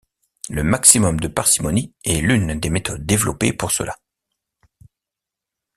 Le maximum de parcimonie est l'une des méthodes développées pour cela.